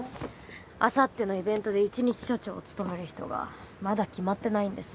あさってのイベントで１日署長を務める人がまだ決まってないんです。